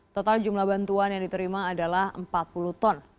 total jumlah bantuan yang diterima adalah empat puluh ton